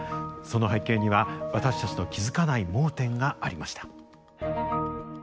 その背景には私たちの気付かない盲点がありました。